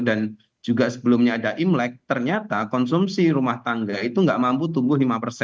dan juga sebelumnya ada imlek ternyata konsumsi rumah tangga itu nggak mampu tumbuh lima